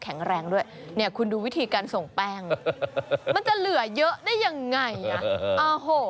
แรงด้วยเนี่ยคุณดูวิธีการส่งแป้งมันจะเหลือเยอะได้ยังไงอ่ะโอ้โห